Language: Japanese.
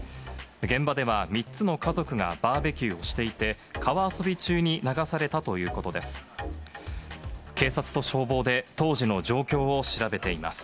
現場では３つの家族がバーベキューをしていて、川遊び中に流されたということです。